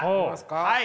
はい。